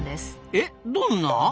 えどんな？